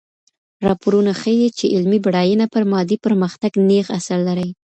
راپورونه ښيي چي علمي بډاينه پر مادي پرمختګ نېغ اثر لري.